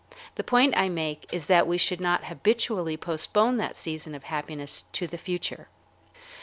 The point I make is that we should not habitually postpone that season of happiness to the future.